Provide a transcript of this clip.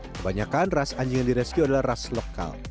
kebanyakan ras anjing yang direscue adalah ras lokal